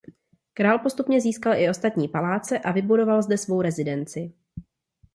Král postupně získal i ostatní paláce a vybudoval zde svou rezidenci.